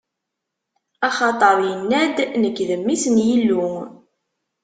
Axaṭer inna-d: Nekk, d Mmi-s n Yillu.